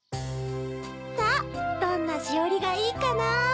さぁどんなしおりがいいかな。